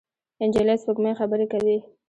نجلۍ له سپوږمۍ خبرې کوي.